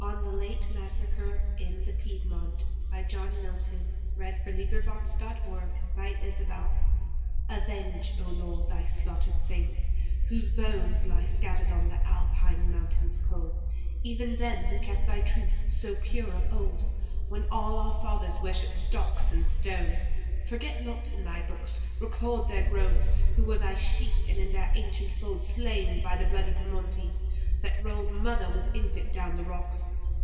(1608–1674). Complete Poems.The Harvard Classics. 1909–14. 312 On the Late Massacre in Piemont AVENGE, O Lord, thy slaughtered Saints, whose bonesLie scattered on the Alpine mountains cold; Even them who kept thy truth so pure of old, When all our fathers worshiped stocks and stones, Forget not: in thy book record their groansWho were thy sheep, and in their ancient foldSlain by the bloody Piemontese, that rolledMother with infant down the rocks.